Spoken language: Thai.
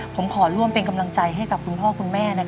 ผมขอร่วมเป็นกำลังใจให้กับคุณพ่อคุณแม่